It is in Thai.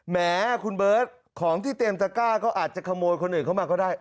แหมคุณเบิร์ตของที่เตรียมตะก้าก็อาจจะขโมยคนอื่นเข้ามาก็ได้